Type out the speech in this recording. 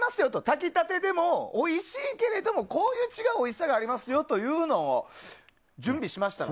炊き立てでもおいしいけれどもこういう違うおいしさがあるというのを準備しました。